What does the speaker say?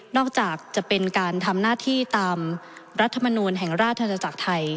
อกจากจะเป็นการทำหน้าที่ตามรัฐมนูลแห่งราชนาจักรไทย